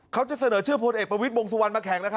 เขาจะเสนอเชื่อโพธิเอ็กษ์ประวิธิบงสุวรรค์มาแข่งนะครับ